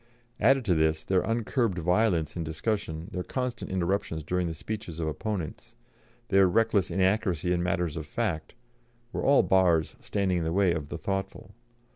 Added to this, their uncurbed violence in discussion, their constant interruptions during the speeches of opponents, their reckless inaccuracy in matters of fact, were all bars standing in the way of the thoughtful.